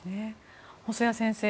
細谷先生